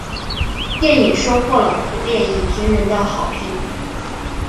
电影收获了普遍影评人的好评。